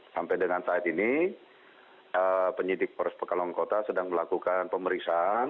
sampai dengan saat ini penyidik polres pekalongan kota sedang melakukan pemeriksaan